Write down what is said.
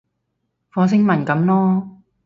火星文噉囉